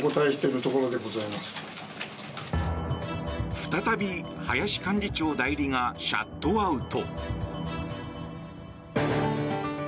再び、林幹事長代理がシャットアウト。